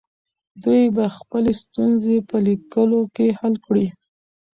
دوی به خپلې ستونزې په لیکلو کې حل کړي.